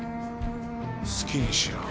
好きにしろ。